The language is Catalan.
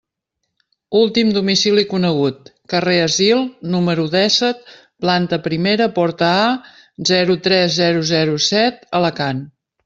Últim domicili conegut: carrer Asil, número dèsset, planta primera, porta A, zero tres zero zero set, Alacant.